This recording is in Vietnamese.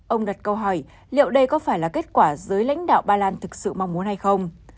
ông đặt câu hỏi liệu đây có phải là kết quả giới lãnh đạo ba lan thực sự mong muốn hay không